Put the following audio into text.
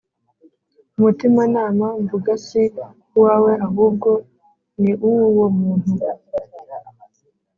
Umutimanama mvuga si uwawe ahubwo ni uwuwo muntu